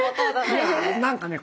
いや何かね